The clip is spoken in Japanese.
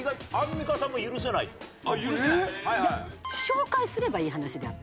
いや紹介すればいい話であって。